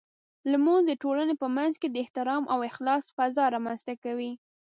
لمونځ د ټولنې په منځ کې د احترام او اخلاص فضاء رامنځته کوي.